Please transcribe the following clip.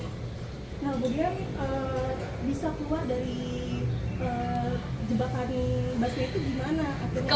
nah kemudian bisa keluar dari jebakan busway itu gimana